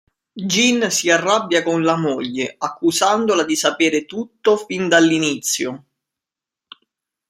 Jin si arrabbia con la moglie, accusandola di sapere tutto fin dall'inizio.